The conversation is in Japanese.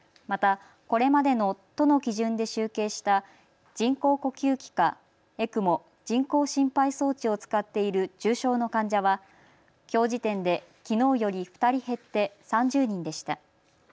またこれまでの都の基準で集計した人工呼吸器かＥＣＭＯ・人工心肺装置を使っている重症の患者はきょう時点できのうより２人減って３０人でした。